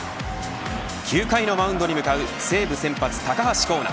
９回のマウンドに向かう西武先発、高橋光成。